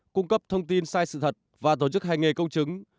cung cấp thông tin sai sự thật và tổ chức hành nghề công chứng